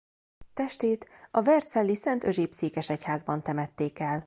Testét a vercelli Szent Özséb-székesegyházban temették el.